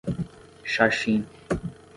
Xaxim